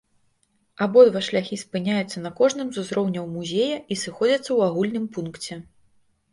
Абодва шляхі спыняюцца на кожным з узроўняў музея і сыходзяцца ў агульным пункце.